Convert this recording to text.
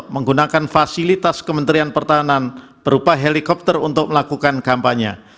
menggunakan fasilitas kementerian pertahanan berupa helikopter untuk melakukan kampanye